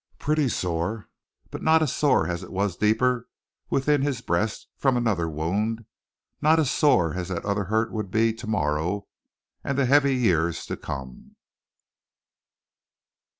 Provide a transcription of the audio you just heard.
Pretty sore, but not as sore as it was deeper within his breast from another wound, not as sore as that other hurt would be tomorrow, and the heavy years to come.